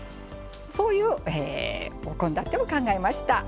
そういうお献立を考えました。